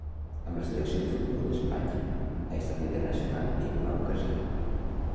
Amb la selecció de futbol d'Espanya ha estat internacional en una ocasió.